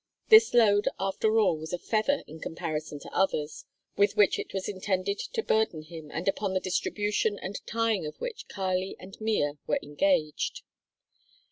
This load after all was a feather in comparison to others with which it was intended to burden him and upon the distribution and tying of which Kali and Mea were engaged.